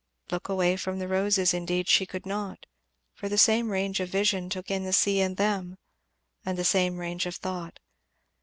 "Look away from the roses" indeed she could not, for the same range of vision took in the sea and them, and the same range of thought.